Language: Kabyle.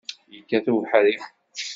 Yekkat ubeḥri.